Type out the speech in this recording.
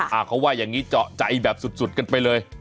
เขาว่าอย่างนี้เจาะใจแบบสุดกันไปเลย